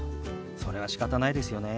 それはしかたないですよね。